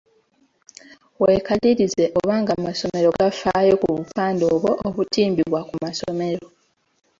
Weekalirize oba ng’amasomero gafaayo ku bupande obwo obutimbibwa ku masomero.